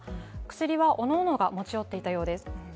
薬はおのおのが持ち寄っていたようです。